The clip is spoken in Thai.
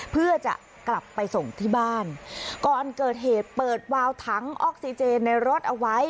เพื่อจะกลับไปส่งที่บ้านก่อนเกิดเหตุเปิดวาวถังออกซิเจนในรถเอาไว้